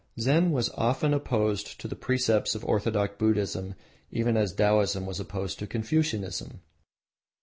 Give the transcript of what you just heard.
Zen was often opposed to the precepts of orthodox Buddhism even as Taoism was opposed to Confucianism.